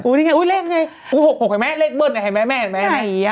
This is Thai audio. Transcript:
อุ้ยเลขไงเล็กเเบิดไหนแม่